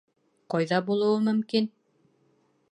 Ҡайҙа булыуы мөмкин?